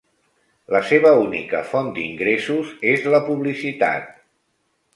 La seva única font d'ingressos és la publicitat.